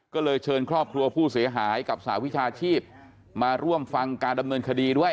ก็เลยเชิญครอบครัวผู้เสียหายกับสหวิชาชีพมาร่วมฟังการดำเนินคดีด้วย